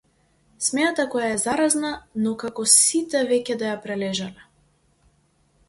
Смеата која е заразна но како сите веќе да ја прележале.